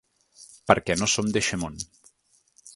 Perquè no som d’eixe món.